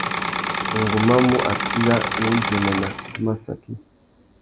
Ngu má mù atiya, nnú djômena, tu má saki.